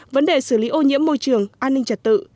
vấn đề xử lý ô nhiễm môi trường an ninh trật tự